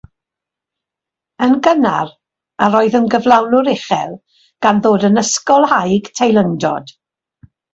Yn gynnar, yr oedd yn gyflawnwr uchel, gan ddod yn Ysgolhaig Teilyngdod.